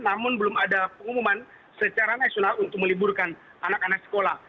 namun belum ada pengumuman secara nasional untuk meliburkan anak anak sekolah